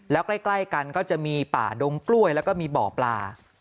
แล้วใกล้กันก็จะมีป่าดงกล้วยแล้วก็มีบ่อปลา